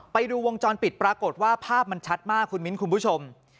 ไปดูวงจรปิดปรากฏว่าภาพมันชัดมากคุณมิ้นคุณผู้ชม